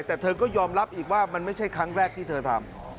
แต่เธอก็ยอมรับอีกว่ามันไม่ใช่ครั้งแรกที่เธอทำ